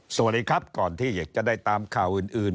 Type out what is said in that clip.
สวัสดีครับก่อนที่อยากจะได้ตามข่าวอื่น